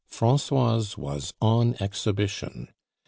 Francoise was on exhibition.